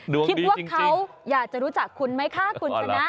ดวงดีจริงคิดว่าเขาอยากจะรู้จักคุณไหมคะคุณชนะ